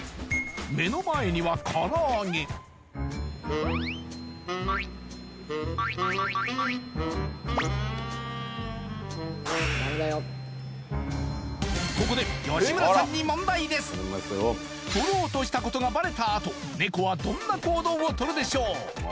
目の前にはからあげここでとろうとしたことがバレた後ネコはどんな行動をとるでしょう？